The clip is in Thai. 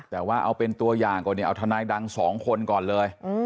แต่ว่าเอาเป็นตัวอย่างก่อนเนี่ยเอาทนายดัง๒คนก่อนเลย